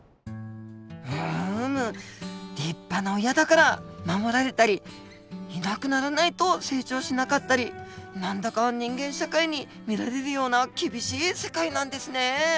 うむ立派な親だから守られたりいなくならないと成長しなかったり何だか人間社会に見られるような厳しい世界なんですね。